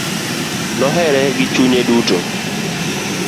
Nohere gi chunye duto.